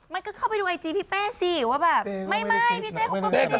มันก็เข้าไปดูไอจีพี่เป้สิว่าแบบไม่พี่เจ๊คงเป็นเป้